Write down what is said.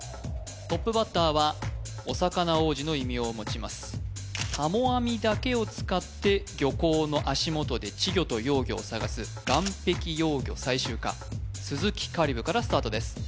トップバッターはお魚王子の異名を持ちますたも網だけを使って漁港の足元で稚魚と幼魚を探す岸壁幼魚採集家鈴木香里武からスタートです